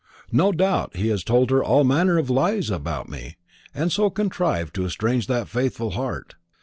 No doubt he has told her all manner of lies about me, and so contrived to estrange that faithful heart.